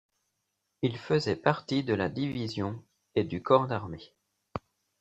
Il faisait partie de la Division et du Corps d'armée.